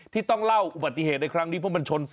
ที่ต้องเล่าอุบัติเหตุในครั้งนี้เพราะมันชน